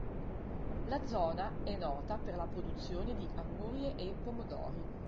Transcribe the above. La zona è nota per la produzione di angurie e pomodori.